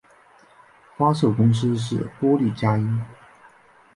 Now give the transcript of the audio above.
发售公司是波丽佳音。